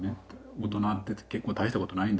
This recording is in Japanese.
「大人って結構大したことないんだよ。